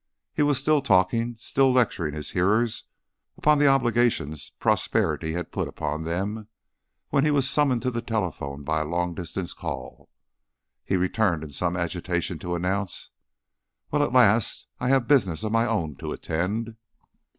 He was still talking, still lecturing his hearers upon the obligations prosperity had put upon them, when he was summoned to the telephone by a long distance call. He returned in some agitation to announce: "Well, at last I have business of my own to attend."